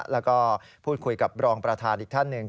แล้วก็พูดคุยกับรองประธานอีกท่านหนึ่ง